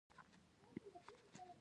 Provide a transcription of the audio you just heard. چې خوږ بوی نه لري .